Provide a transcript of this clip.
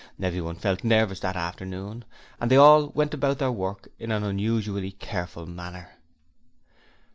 Everyone felt nervous that afternoon, and they all went about their work in an unusually careful manner.